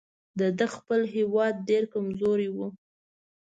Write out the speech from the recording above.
د ده خپل هیواد ډېر کمزوری وو.